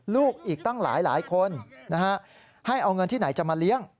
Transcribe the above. ลูกอีกตั้งหลายคนนะฮะให้เอาเงินที่ไหนจะมาเลี้ยง